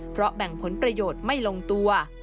เพราะแบ่งผลประโยชน์ไม่ลงตัว